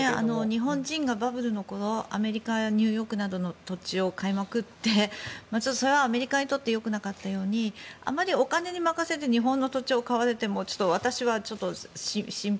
日本人がバブルの頃アメリカやニューヨークなどの土地を買いまくってそれはアメリカにとってよくなかったようにあまりお金に任せて日本の土地を買われても私は心配。